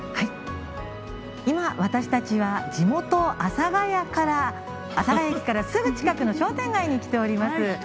今、私たちは地元・阿佐ヶ谷駅からすぐ近くの商店街に来ております。